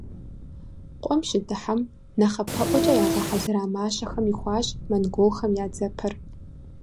Къуэм щыдыхьэм, нэхъапэӏуэкӏэ ягъэхьэзыра мащэхэм ихуащ монголхэм я дзэпэр.